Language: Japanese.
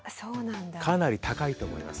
かなり高いと思います。